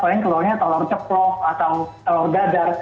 kalian keluarnya telur ceklok atau telur dadar